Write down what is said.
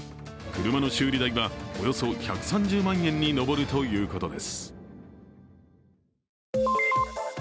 車の修理代はおよそ１３０万円に上るということです。